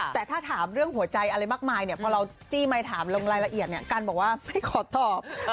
แต่ถ้าถามเรื่องหัวใจอะไรมากมายเนี่ยพอเราจี้ไมค์ถามลงรายละเอียดเนี่ยกันบอกว่าไม่ขอตอบ